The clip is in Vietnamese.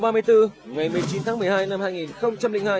ngày một mươi chín tháng một mươi hai năm hai nghìn hai